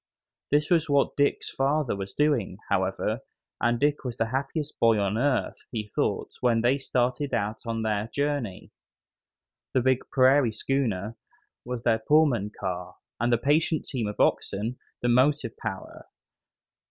This was what Dick's father was doing, however, and Dick was the happiest boy on earth, he thought, when they started out on their journey. The big "prairie schooner" was their Pullman car, and the patient team of oxen the motive power.